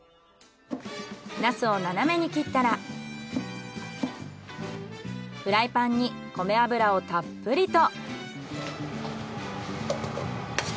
ナスを斜めに切ったらフライパンに米油をたっぷりと。